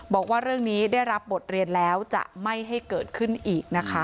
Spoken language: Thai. บอกว่าเรื่องนี้ได้รับบทเรียนแล้วจะไม่ให้เกิดขึ้นอีกนะคะ